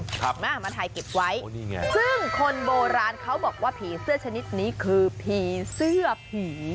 ครับมามาถ่ายเก็บไว้โอ้นี่ไงซึ่งคนโบราณเขาบอกว่าผีเสื้อชนิดนี้คือผีเสื้อผี